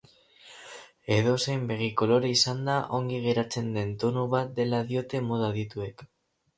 Edozein begi kolore izanda ongi geratzen den tonu bat dela diote moda adituek.